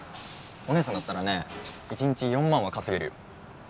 おねえさんだったらね一日４万は稼げるよ。